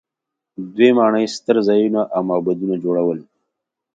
دوی ماڼۍ، ستر ځایونه او معبدونه جوړول.